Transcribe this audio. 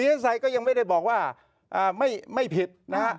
ไซดก็ยังไม่ได้บอกว่าไม่ผิดนะฮะ